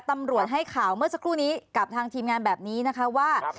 ตำรวจให้ข่าวเมื่อสักครู่นี้กับทางทีมงานแบบนี้นะคะว่า